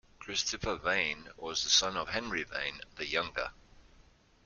Christopher Vane was the son of Henry Vane the Younger.